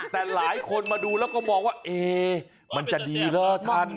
แต่หลายคนมาดูแล้วก็มองว่าเอ๊มันจะดีเหรอท่าน